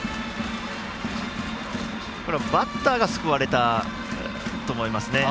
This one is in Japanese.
バッターが救われたと思いますね。